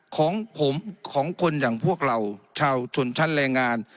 ของผมของคนอย่างพวกเราชาวชนชั้นแรงงาน